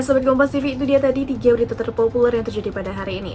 nah sobat kompas tv itu dia tadi tiga berita terpopuler yang terjadi pada hari ini